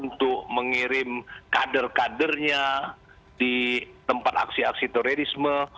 untuk mengirim kader kadernya di tempat aksi aksi terorisme